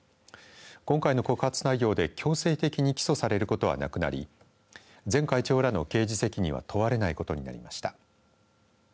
今回の告発内容で強制的に起訴されることはなくなり前会長らの刑事責任は問われないことになりました。